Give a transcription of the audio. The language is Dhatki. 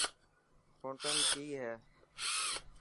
پونٽون ڪي تا.